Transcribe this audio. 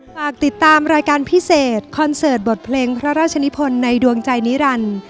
ฝากติดตามรายการพิเศษคอนเสิร์ตบทเพลงพระราชนิพลในดวงใจนิรันดิ์